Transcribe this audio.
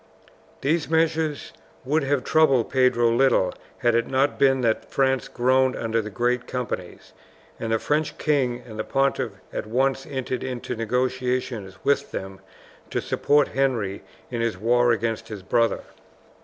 These measures would have troubled Pedro little had it not been that France groaned under the great companies, and the French king and the pontiff at once entered into negotiations with them to support Henry in his war against his brother.